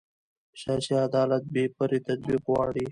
سیاسي عدالت بې پرې تطبیق غواړي